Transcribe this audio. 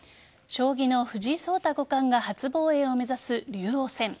将棋の藤井聡太五冠が初防衛を目指す竜王戦。